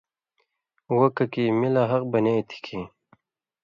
وو ککی می لا حق بنیائ تھی کھیں